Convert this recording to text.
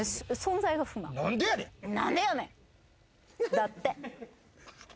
だって。